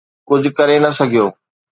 ڪجهه ڪري نه سگهيو.